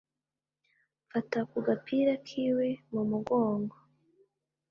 Mfata ku gapira k’iwe mu mugongo